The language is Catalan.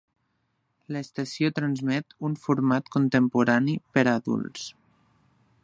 L'estació transmet un format contemporani per a adults.